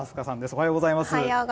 おはようございます。